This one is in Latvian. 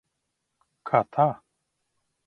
Kā tā?